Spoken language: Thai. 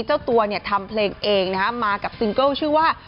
เจ้าตัวเนี่ยทำเพลงเองนะฮะมากับซิงเกิลชื่อว่า